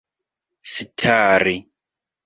stari